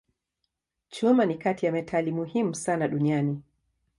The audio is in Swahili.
Chuma ni kati ya metali muhimu sana duniani.